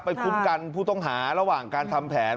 คุ้มกันผู้ต้องหาระหว่างการทำแผน